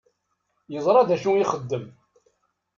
Yeẓṛa dacu i ixeddem.